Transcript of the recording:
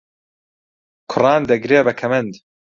کوڕان دەگرێ بە کەمەند